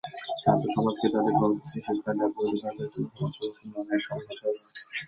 ছাত্র সমাজকে তাদের গণতান্ত্রিক শিক্ষার দাবি ও অধিকার আদায়ের জন্য সমাজ পরিবর্তনের লড়াইয়ে সামিল হতে হবে।